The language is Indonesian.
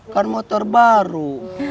kan motor baru